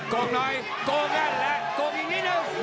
โกงหน่อยโกงแน่นแล้วโกงอีกนิดนึง